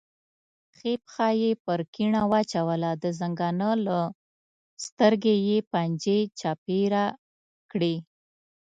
ښي پښه یې پر کیڼه واچوله، د زنګانه له سترګې یې پنجې چاپېره کړې.